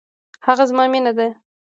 هغه زما مينه ده.